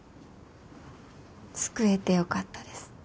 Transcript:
救えて良かったです。